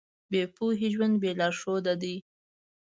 بې پوهې ژوند بې لارښوده دی.